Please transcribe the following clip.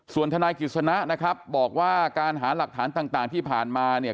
ส่วนทนายกิจสนะนะครับบอกว่าการหาหลักฐานต่างที่ผ่านมาเนี่ย